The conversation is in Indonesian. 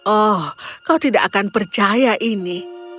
oh kau tidak akan percaya ini